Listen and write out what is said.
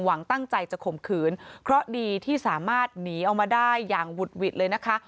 หวังตั้งใจจะข่มขืนเพราะดีที่สามารถหนีออกมาได้อย่างหุดหวิดเลยนะคะ